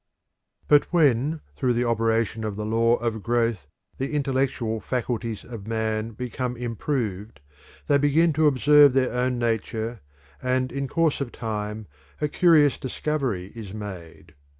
But when through the operation of the law of growth the intellectual faculties of men become improved, they begin to observe their own nature, and in course of time a curious discovery is made.